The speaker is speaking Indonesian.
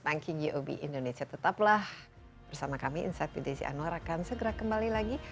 banki gob indonesia tetaplah bersama kami insight bdc anwar akan segera kembali lagi